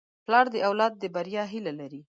پلار د اولاد د بریا هیله لري.